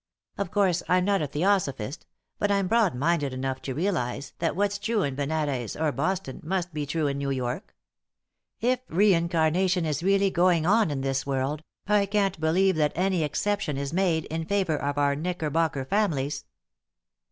"Of course, I'm not a theosophist, but I'm broad minded enough to realize that what's true in Benares or Boston must be true in New York. If reincarnation is really going on in this world, I can't believe that any exception is made in favor of our Knickerbocker families."